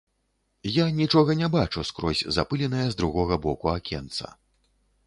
Я нічога не бачу скрозь запыленае з другога боку акенца.